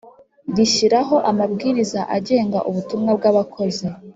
rishyiraho amabwiriza agenga ubutumwa bw Abakozi